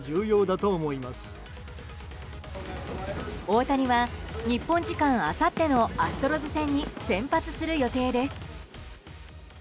大谷は日本時間あさってのアストロズ戦に先発する予定です。